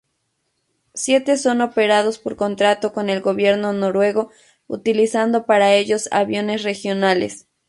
Siete son operados por contrato con el gobierno noruego utilizando para ellos aviones regionales.